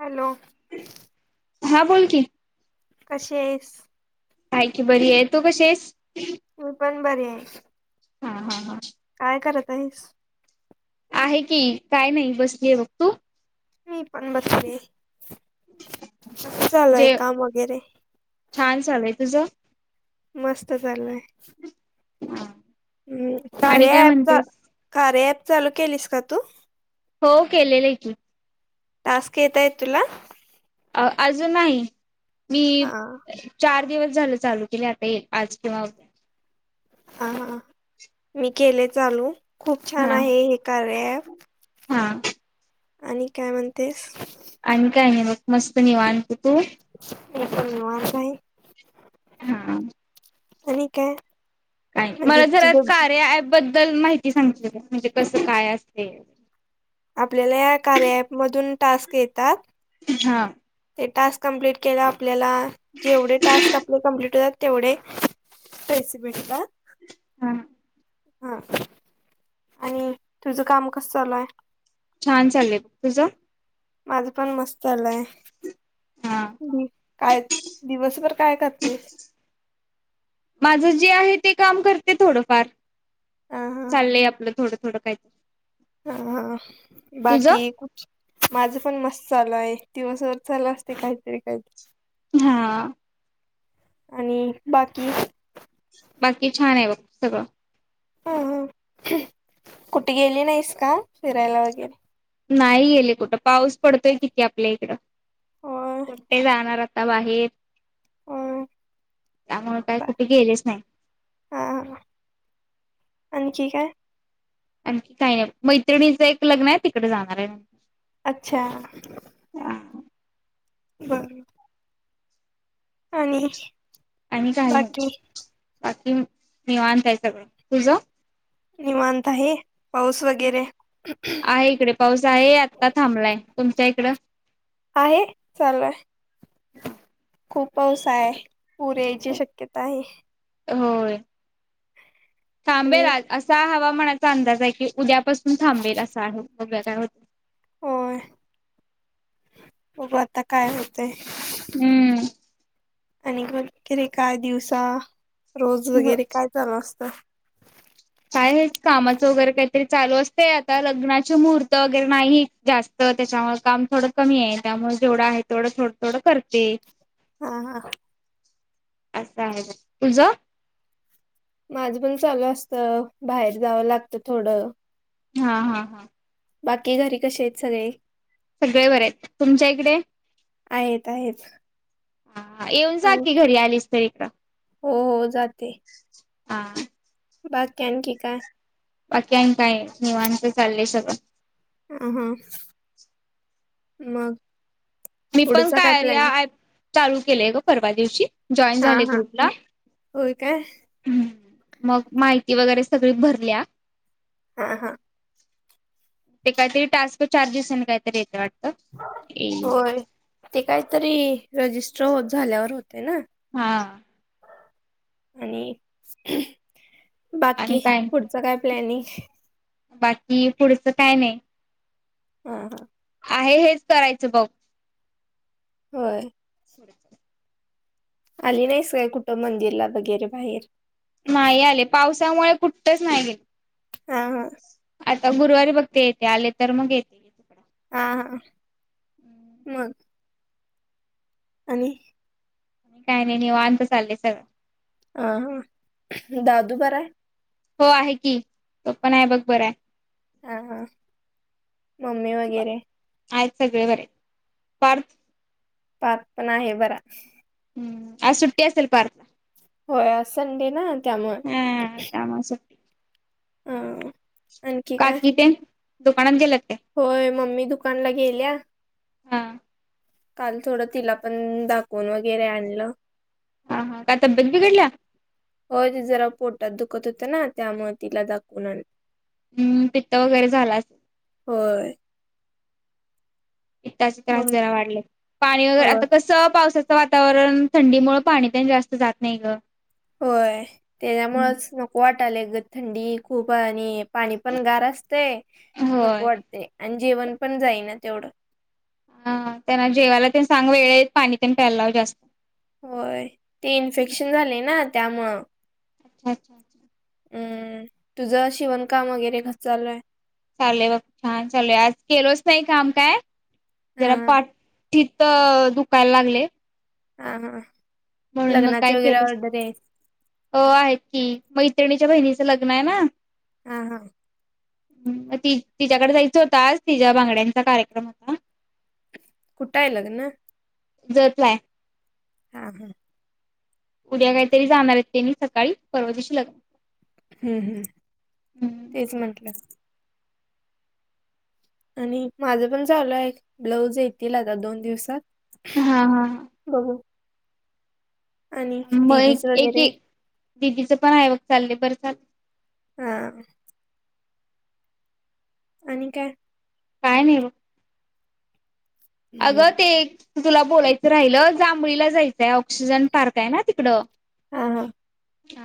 Hello. हा बोल की. कशी हायस? हाय की बरी आहे. तू कशी हायस? मी पण बरी हाय. हा हा हा. काय करतईस? आहे की काय नाही बसलोय बघ तू. मी पण बसले कस चलय जे काम वगैरे छान चालू हाय. तुझं? मस्त चालय. हम्म. आणि कार्य काय ऍप म्हणतेस कार्या ऍप चालू केलीस का तू? हो केलेलं आहे की टास्क येत आहेत तुला अ अजून नाही मी हा चार. दिवस झालं चालू केले आता एक आज किंवा उद्या ह ह मी केले चालू खूप छान हा आहे हे कार्या अँप हा. आणि काय म्हणतेस? आणि काय नाही मग मस्त निवांत तू. मी पण निवांत आहे हां. आणि का?? काय.. मला जरा कार्या ऍप बद्दल माहिती सांगते काय म्हणजे कसं काय असते. आपल्याला कार्या अँप मधून टास्क येतात. हा. ते टास्क कमप्लीट केलं आपल्याला जेवढे टास्क आपले कमप्लीट होतात. तेवढे पैसे भेटतात. हम. हा आणि तुझं काम कसं चालू हाय छान चालेत तुझं. माझं पण मस्त चालू हाय हा तू बी काय दिवसभर काय करतेस माझं जे आहे ते काम करते थोडंफार. ह हा चाललंय आपलं थोडं थोडं काहीतरी. ह हा तुझं? बाकी. माझ पण मस्त चालू आहे दिवसभर चालू असतंय काहीतरी काहीतरी. हा. आणि बाकी. बाकी छान आहे बघ सगळं. अ कुठे गेली नाहीस का फिरायला वगैरे. नाही गेले कुठं पाऊस पडतोय किती आपल्या इकड होय कुठे जाणार. तवा हेच होय त्यामुळे काय बा कुठे गेलेच नाही. हा हा आणखी काय. आणखी काही नाही मैत्रिणीचं एक लग्न आहे तिकडे जाणार आहे. अच्छा! ह. बर. आणि आणि काही बाकी नाही बाकी निवांत आहे सगळं तुझं निवांत आहे पाऊस वगैरे. आहे इकडे पाऊस आहे आत्ता थांबलाय तुमच्या इकडं आहे चालूय खूप पाऊस हाय पूर यायची शक्यता आहे होय आणि थांबेल आज असा हवामानाचा अंदाज आहे की उद्यापासून थांबेल असा आहे बघूया काय होतय होय बघू आता काय होतेय हम्म. आणि मग काय दिवसा रोज वगैरे काय चालू असतं. काय हेच कामाचं वगैरे काहीतरी चालू असतंय आता लग्नाचे मुहूर्त वगैरे नाहीत जास्त त्याच्यामुळे काम थोडं कमी आहे त्यामुळे जेवढं आहे तेवढं थोडं थोडं करते. हा हा अस आहे तुझा माझं पण चालू असत बाहेर जावं लागतं थोडं हा हा हा बाकी घरी कसे आहेत सगळे सगळे बरे आहेत तुमच्या इकडे आहेत आहेत हा येऊन आणि जाखी घरी आलीस तर इकड हो हो जाते हा बाघ क आणखी काय बाकीन काय निवणचं चाललंय सगळं अ हां मग मी पण पुढचा काय प्लॅन या ऍप चालू केलेय ग परवा दिवशी जॉईन हा झाले हा ग्रुपला होय काय ह् मग माहिती वगैरे सगळी भरल्या हा हा ते काहीतरी टास्क चार्जेस आणि काहीतरी येत वाटत होय ते काहीतरी रजिस्टर होत झाल्यावर होते ना हा आणि आणि बाकी काय पुढ काय प्लॅनिंग बाकी पुढचं काय नाही हा हा आहे हेच करायचं बघ होय सुरप आली नाहीस काय कुठं मंदिरला वगैरे बाहेर नाही आले पावसामुळे कुठठच नाही गेले हा हा आता गुरुवारी बघते येते आले तर मग येते पड हा हा मग आणि काय नाहीय निवा अंत सल्ले सर ह हा दादू बराय हो आहे की तो पण आहे बघ बर आहे हा हा मम्मी वगैरे आहेत सगळे बरे पार्थ पार्थ पण आहे बरा हम्म आज सुट्ट असेल पार हो संडे ना त्यामुळे ह स ह काकीि ते दुकानात गेलं ते होय मम्मी दुकानला गेल्या हा काल थोडं तिला पण दाखवून वगैरे आणलं हा हा काय तब्येत बिघडल्या हो ते जरा पोटात दुखत होतं ना त्यामुळे तिला दाखवून आण हम् पित्त वगैरे झाला अस होय पताचे त्रास मम्मी जरा वाढले पाणी वगैर होय आता कस पावसाचं वातावरण थंडीमुळेळ पाणी तेन जास्त जात नाही ग होय त्याच्यामुंळच नको वाटालय ग थंडी खूप आणि पाणी पण गार असते नको होय वाटते आणि जेवण पण जाईना तेवढं ह त्यांना जेवायला ते सांग वेळेत पाणी ते प्यायला लाव जास्त होय ते इन्फेक्शन झाले ना त्यामुळं अच्छ अच्छ अ्ा हम्म तुझं शिवणकाम वगैरे कसं चालूय चाल ब छान चालूय आज केलच नाही काम काय हा जरा पाठ तथ दुखयला लागले हा हा म्हणून मग लग्नाची काय वगैरे केलं ऑर्डर आहे अ आहेत की मग इत्रिणीच्या बहिणीचं लग्न आहे ना हा हा मग ति तिच्याकडे जायचं होताच तिच्या बांगड्यांचा कार्यक्रम होता कुठाय लग ना जपलाय हा हा उद्या काहीतरी जाणार आहेत त्यांनी सकाळी परर्वतीशी लग्न हम्म हम्म लग्न. तेच म्हंटलं आणि माझं पण चालू आहे ब्लाऊज येतील आता दोन दिवसात हा हा हो हो मग दिदीच एक वगैरे एक दिदीच पण ऐवक चाललंय बरं चाल हम आणि काय काय नाही अगं हम्म ते तुला बोलायचं राहिलं जांभळीला जायचंय ऑक्सिजन पार्क आहे ना तिकडं हा हा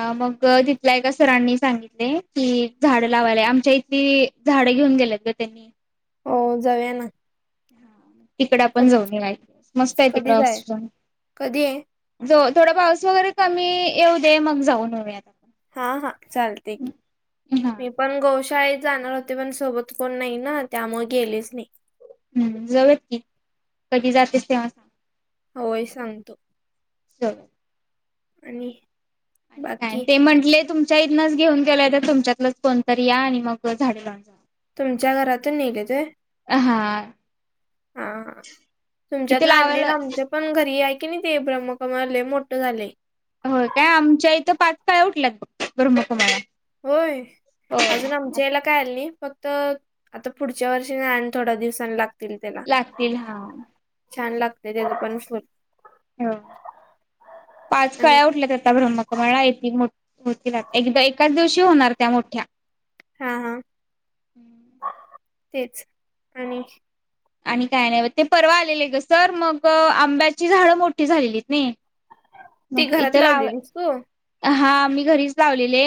अ मग तिथल्या एका सरांनी सांगितले कि झाड लावायलाय आमच्या इथली झाडं घेऊन गेलेत ग त्यांनी हो जाऊया ना तिकड आपण क जाऊन मस्त आहे तिकड कधी जाय हॉस्पिटल कधी आहे ज थोडा पाऊस वगैरे कमी येऊ दे मग जाऊन होऊ आता हा हा चालते हा मी पण गोशाळेत जाणार होते पण सोबत कोण नाही ना त्यामुळे गेलेच नाही हम्म जवत की कधी जातेस तेव्हा होय सांगतो [unintelligible] आणि आणि काय, बाकी ते म्हटले तुमच्या इथनच घेऊन गेलोय तर तुमच्यातलंच कोणतरी या आणि मग झाडे लावून जा. तुमच्या घरातून नेलं ते अ... हा हा... इथे तुमच्यातला लावायला आणलेलं आमच्या पण घरी हाय की नई ते ब्रह्मकमळ लई मोठं झालं हो काय... आमच्या इथं पाच कळ्या उठल्यात फक्त ब्रह्मकमळाला होय अजून आमच्याला कायल नाही फक्त आता पुढच्या वर्षी नाही थोडा दिवसांनी लागत त्याला लागतील हा छान लागते त्याला पणर हो पाच आणि काळ्या काय उठल्यात आता ब्रम्ह मला येत मो एकदा एकाच दिवशी होणार त्या मोठ्या हा, हा... तेच आणि आणि काय नई बग, ते परवा आलेले ग सर, मग आंब्याची झाडं मोठी झालेलीत नाई ती मग घरात इथं लाव, लावलेलीस तू हा मी घरीच लावलेले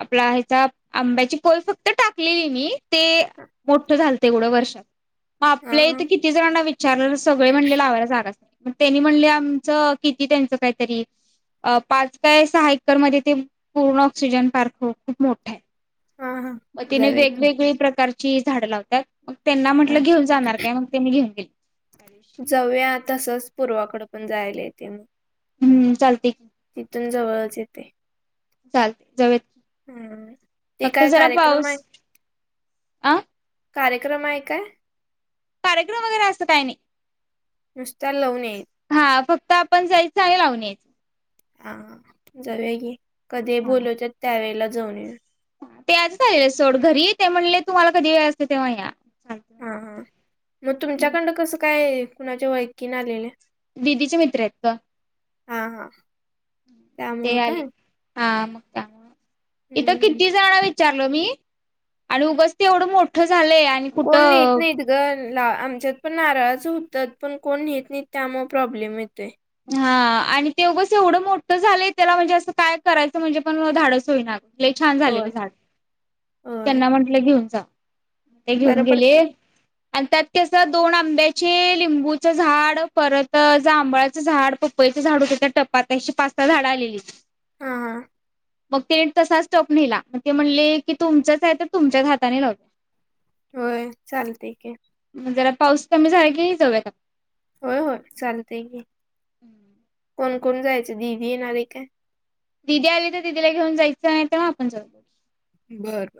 आपला ह्याचा... आंब्याची कोय फक्त टाकलेली मी, ते मोठं झालते एवढं वर्षात हा आपल्या हा इथं किती जणांना विचारलेलं, सगळे म्हणले लावायला जागाच नाई मग त्यांनी म्हणले, आमचं किती त्यांचं काहीतरी अ पाच काय सहा एकरमध्येध्ये ते पूर्ण ऑक्सिजन पार्क [unintelligible] खूप मोठं ए हा हा मग तेनी जाऊया की वेगवेगळी प्रकारची झाडं लावतात, मग त्यांना हा म्हटलं घेऊन जाणार काय, मग त्यांनी घेऊन गेली जाऊया तसंच... पूर्वाकडं पण जायला येते मग हम्म... चालतंय तिथून जवळच ये ते चालते, जवळ ए... हम्म ते फक्त काय जरा कार्यक्रम पाऊस... आहे अं कार्यक्रम आहे काय कार्यक्रम वगैरे असं काई नई नुसत्या [unintelligible] ये हा फक्त आपण जायचं आहे [unintelligible] हा... जाऊया की, कधी हा बोलवत्यात, त्यावेेळेला जाऊन येऊ ते आजच आलेले सोड घरी, ते म्हणले तुम्हाला कधी वेळ असतो तेव्हा या हा चालते हा, मग तुमच्याकडं कसं काय, कुणाच्या वळखीने आलेले? दिदीचे मित्र हेत गं हा हा ते त्यामुळं आले, काय हा मग [unintelligible] इथं हम्म किती जण विचारलो मी आणि उगच ते एवढं मोठं झालंय आणि कोण नेत कुठं नाइत गं.. ला आमच्यात पण नारळाचं होत्यात, पण कोण नेत नईत त्यामुळे प्रॉब्लेम येतोय हा आणि ते उगच एवढं मोठं झालंय त्याला म्हणजे असं [unintelligible] करायचं म्हणजे पण धाडस होईना लई छान झालेय होय गं झाड, होय त्यांना म्हंटलं घेऊन जा ते घेऊन बरं गेले पडतंय आणि त्यात कसं, दोन आंब्याची, लिंबूचं झाड परत जांभळाचं झाड, पपईचे झाड होतं त्या टपात, अशी पाच सहा झाडं आलेली हा हा मग ते तसाच टोप नेला मग ते म्हणले की तुमचंच आहे तर तुमच्याच हाताने लाव होय, चालतंय की जरा पाऊस कमी झाला की, जाऊयात आपण होय होय, चालतंय की, कोण कोण जायचं, दीदी येणारे काय? दिदी आली तर दीदीला घेऊन जायचं नाही ना आपण जाऊ बरर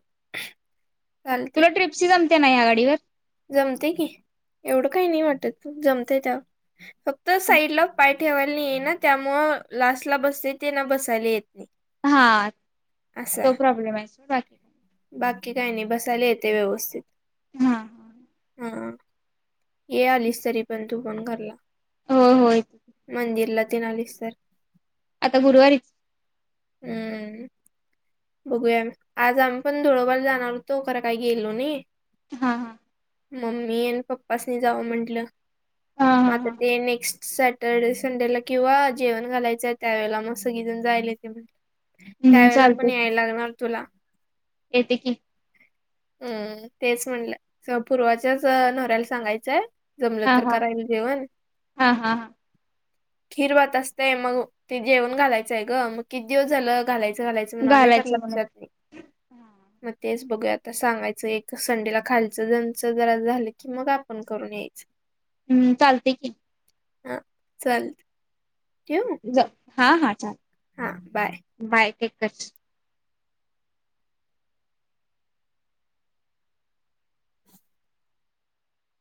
तुला ट्रिपची जमते ना या गाडीवर जमते की एवढं काही नाही वाटत तू जमते त्यावर फक्त साईडला पाय ठेवायला नाहीय ना त्यामुळ लास्ट ला बसते ते ना बसायला येत. हा तो प्रॉब्लेम आहे स बाकी बाकी काही नाही बसायला येते व्यवस्थित हा. हा ये आलीस तरी पण, तू पण घरला, होय होय मंदिरला तेन आलीस तर आता गुरुवारीच हम्म बघूया आज आम्ही पण धुळवरर जाणार होतो खरं काही गेलो नाही. हा हा मम्मी अ पप्पासनी जावं म्हंटलं हा मग हा आता हा ते नेक्स्ट सॅटरडे संडेला किंवा जेवण घालायचंय त्यावेेळेला मग सगळीजण जायल. हम्म चालतय की - लागणार तुला येते की हम्म तेच म्हणलं स पूर्वाच्याच नवऱ्याला सांगायचंय जमलं हा तर हा करायल जेवण हा हा हा खीर भात असतय मग ते जेवण घालायचंय ग मग किती जव झालं घालायचं घालायचं म्हणालोय खर घालायचं म्हणत लक्षात नई मग तेच बघू याआता सांगायचं एक संडेला खालचं जणचं जरा झालं की मग आपण करून ये [inaudible] हम्म चालतय की हा चल ठेवू ज हा हा चाल - हा बाय बाय टेक कर